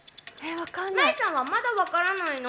麻衣さんはまだわかんないの？